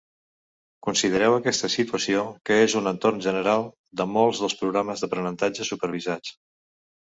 Considereu aquesta situació, que és un entorn general de molts dels programes d"aprenentatge supervisats.